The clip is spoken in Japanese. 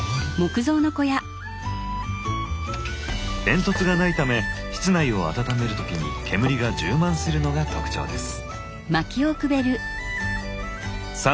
煙突がないため室内を暖める時に煙が充満するのが特徴です。